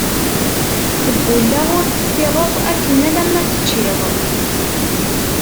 Ggulleɣ ur teffiɣeḍ akken alamma teččiḍ!